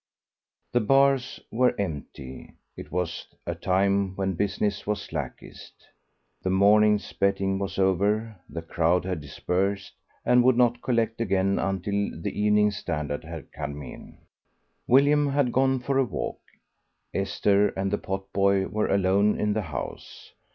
The bars were empty. It was a time when business was slackest. The morning's betting was over; the crowd had dispersed, and would not collect again until the Evening Standard had come in. William had gone for a walk. Esther and the potboy were alone in the house.